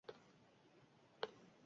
Schulz nació en Rostock.